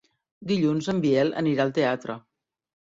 Dilluns en Biel anirà al teatre.